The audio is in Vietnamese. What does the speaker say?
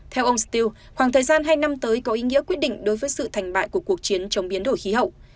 theo ông steel khoảng thời gian hai năm tới có ý nghĩa quyết định đối với sự thành bại của cuộc chiến chống biến đổi khí hậu